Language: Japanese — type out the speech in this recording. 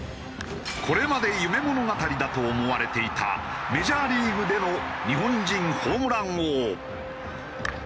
これまで夢物語だと思われていたメジャーリーグでの日本人ホームラン王。